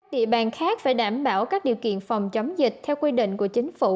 địa bàn khác phải đảm bảo các điều kiện phòng chống dịch theo quy định của chính phủ